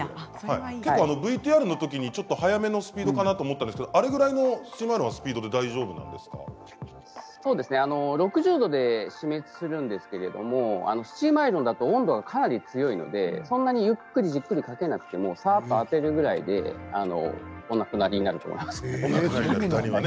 ＶＴＲのときに早めのスピードかなと思ったんですけれどもあれぐらいのスチームアイロンの６０度で死滅するんですけれど、スチームアイロンだと温度がかなり強いのでそんなにゆっくり、じっくりかけなくてもさっと当てるくらいでお亡くなりになると思います。